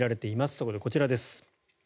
そこでこちらです。